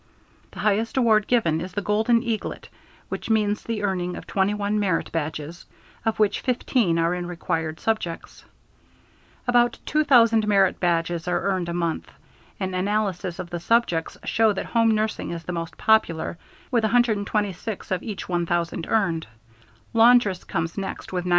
The highest award given is the Golden Eaglet, which means the earning of 21 Merit Badges, of which 15 are in required subjects. About 2,000 Merit Badges are earned a month. An analysis of the subjects shows that home nursing is the most popular, with 126 of each 1,000 earned. Laundress comes next with 97.